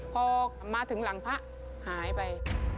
พอมาถึงหลังพระหายไป